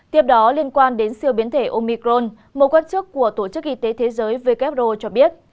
tiếp đó liên quan đến siêu biến thể omicron một quan chức của tổ chức y tế thế giới who cho biết